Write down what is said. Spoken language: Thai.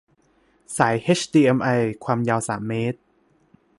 สายเฮชดีเอ็มไอความยาวสามเมตร